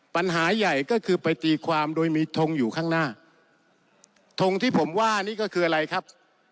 ปัญหาใหญ่ก็คือไปตีความโดยมีทงอยู่ข้างหน้าทงที่ผมว่านี่ก็คืออะไรครับ